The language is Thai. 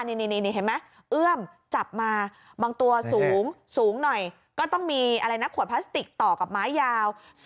นี่เห็นไหมเอื้อมจับมาบางตัวสูงสูงหน่อยก็ต้องมีอะไรนะขวดพลาสติกต่อกับไม้ยาว